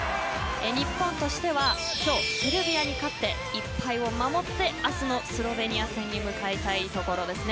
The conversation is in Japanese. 日本としては今日、セルビアに勝って１敗を守って明日のスロベニア戦に迎えたいところですよね